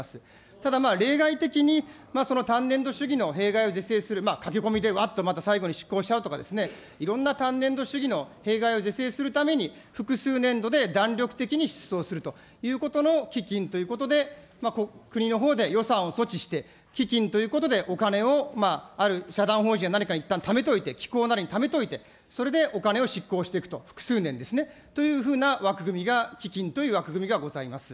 ただ、例外的に単年度主義の弊害を是正する、駆け込みでわっと最後にしっこうしちゃうとかですね、いろんな単年度主義の弊害を是正するために、複数年度で弾力的に支出をすると、基金ということで、国のほうで予算を措置して、基金ということでお金をある社団法人や何かにいったんためといて、機構なりにためといて、それでお金を執行していくと、複数年ですね、というふうな枠組みが、基金という枠組みがございます。